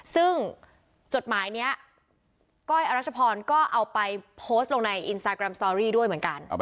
ซึ่งจดหมายนี้ก้อยอรัชพรก็เอาไปโพสต์ลงในอินสตาแกรมสตอรี่ด้วยเหมือนกัน